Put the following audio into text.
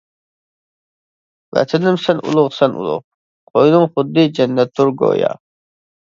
ۋەتىنىم سەن ئۇلۇغ سەن ئۇلۇغ، قوينۇڭ خۇددى جەننەتتۇر گويا.